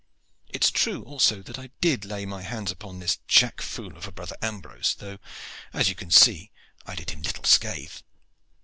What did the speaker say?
It is true also that I did lay my hands upon this jack fool of a brother Ambrose, though, as you can see, I did him little scathe.